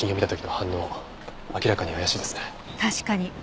確かに。